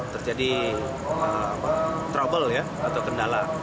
terjadi trouble atau kendala